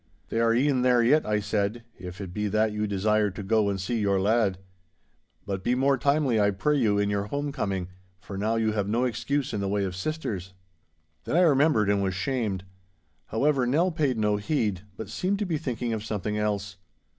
'They are e'en there yet,' I said, 'if it be that you desire to go and see your lad. But be more timely, I pray you, in your homecoming, for now you have no excuse in the way of sisters—' Then I remembered, and was shamed. However, Nell paid no heed, but seemed to be thinking of something else.